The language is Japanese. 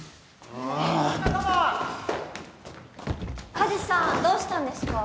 ・梶さんどうしたんですか？